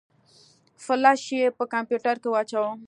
فلش يې په کمپيوټر کې واچوه.